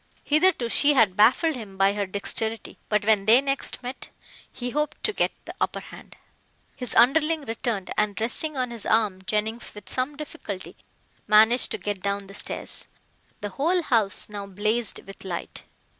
Hitherto she had baffled him by her dexterity, but when they next met he hoped to get the upper hand. His underling returned and, resting on his arm, Jennings with some difficulty managed to get down the stairs. The whole house now blazed with light.